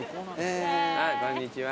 こんにちは。